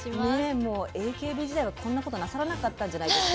もうＡＫＢ時代はこんなことなさらなかったんじゃないですか？